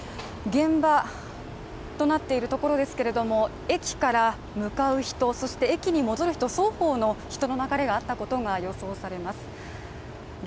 現場となっているところですけれども駅から向かう人、そして駅に戻る人、双方の人の流れがあったことが予想されます。